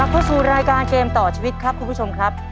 เข้าสู่รายการเกมต่อชีวิตครับคุณผู้ชมครับ